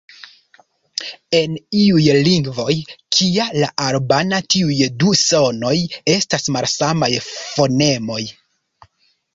En iuj lingvoj, kia la albana, tiuj du sonoj estas malsamaj fonemoj.